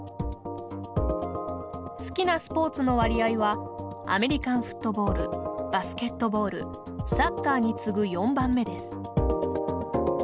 好きなスポーツの割合はアメリカンフットボールバスケットボールサッカーに次ぐ４番目です。